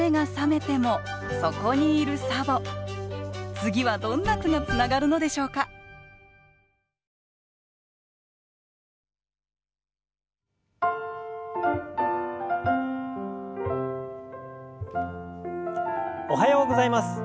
次はどんな句がつながるのでしょうかおはようございます。